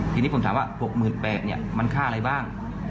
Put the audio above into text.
ทีนี้ผมถามว่า๖๘๐๐บาทมันค่าอะไรบ้าง